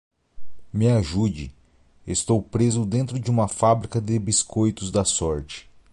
Me ajude, estou preso dentro de uma fábrica de biscoitos da sorte!